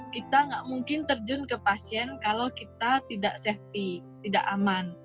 kita nggak mungkin terjun ke pasien kalau kita tidak safety tidak aman